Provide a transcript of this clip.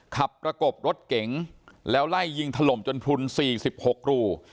ประกบรถเก๋งแล้วไล่ยิงถล่มจนพลุน๔๖รู